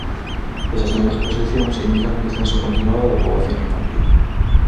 Esas mesmas proxeccións indican un descenso continuado da poboación infantil.